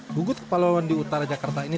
bugut kepulauan di utara jakarta ini